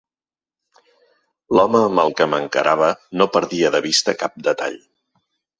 L'home amb el que m'encarava no perdia de vista cap detall.